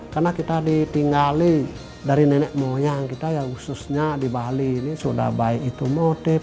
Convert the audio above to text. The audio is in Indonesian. karena kita ditinggali dari nenek moyang kita khususnya di bali ini sudah baik itu motif